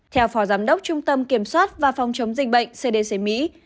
theo phó giám đốc trung tâm kiểm soát và phòng chống dịch bệnh cdc mỹ